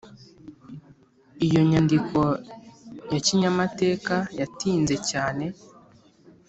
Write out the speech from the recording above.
iyo nyandiko ya kinyamateka, yatinze cyane